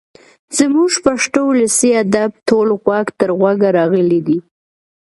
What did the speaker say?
زموږ پښتو ولسي ادب ټول غوږ تر غوږه راغلی دی.